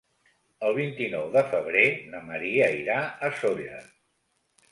El vint-i-nou de febrer na Maria irà a Sóller.